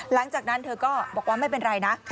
หลังจากนั้นเธอก็บอกว่าไม่เป็นไรนะ